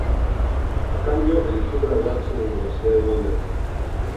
A cambio, eligió graduarse en la Universidad de Londres.